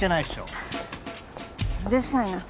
うるさいな。